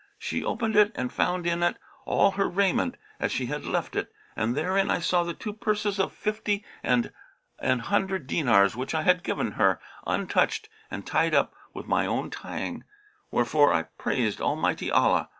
She opened it and found in it all her raiment as she had left it and therein I saw the two purses of fifty and an hundred dinars which I had given her, untouched and tied up with my own tying, wherefore I praised Almighty Allah.